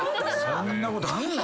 そんなことあんの？